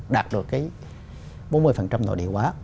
đạt được bốn mươi nội địa hóa